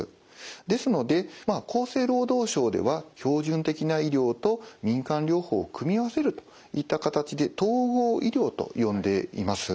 ですので厚生労働省では標準的な医療と民間療法を組み合わせるといった形で統合医療と呼んでいます。